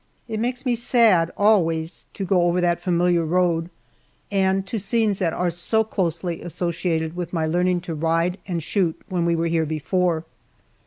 It makes me sad, always, to go over that familiar road and to scenes that are so closely associated with my learning to ride and shoot when we were here before.